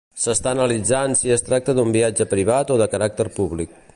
S'està analitzant si es tracta d'un viatge privat o de caràcter públic.